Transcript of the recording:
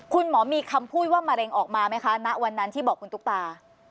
คุณหมอมีคำพูดว่ามะเร็งออกมาไหมคะณวันนั้นที่บอกคุณตุ๊กตา